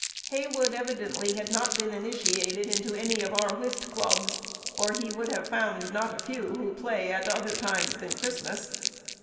Heywood evidently had not been initiated into any of our whist clubs, or he would have found not a few who play at other times than Christmas.